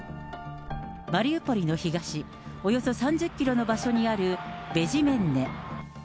マリウポリの東、およそ３０キロの場所にあるベジメンネ。